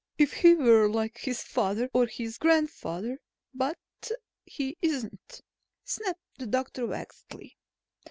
"If he were like his father or his grandfather ... but he isn't," snapped the doctor vexedly.